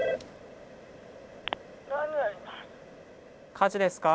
☎火事ですか？